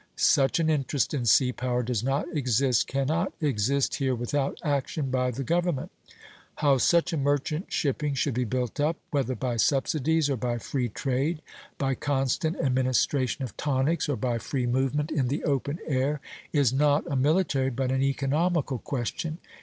Such an interest in sea power does not exist, cannot exist here without action by the government. How such a merchant shipping should be built up, whether by subsidies or by free trade, by constant administration of tonics or by free movement in the open air, is not a military but an economical question.